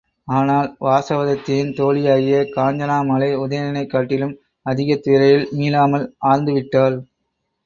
ஆனால் வாசவதத்தையின் தோழியாகிய காஞ்சனமாலை உதயணனைக் காட்டிலும் அதிகத் துயரில் மீளாமல் ஆழ்ந்து விட்டாள்.